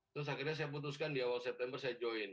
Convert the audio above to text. terus akhirnya saya putuskan di awal september saya join